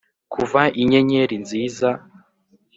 kuva inyenyeri nziza?